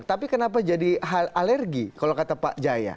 tapi kenapa jadi hal alergi kalau kata pak jaya